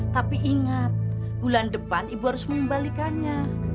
tapi ingat bulan depan ibu harus mengembalikannya